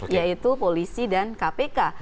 yaitu polisi dan kpk